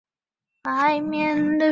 尚帕涅勒塞克人口变化图示